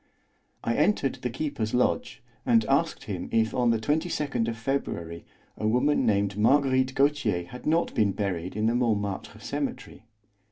I entered the keeper's lodge, and asked him if on the 22nd of February a woman named Marguerite Gautier had not been buried in the Montmartre Cemetery.